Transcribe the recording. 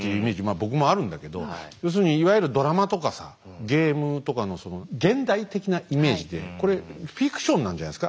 あ僕もあるんだけど要するにいわゆるドラマとかさゲームとかのその現代的なイメージでこれフィクションなんじゃないですか？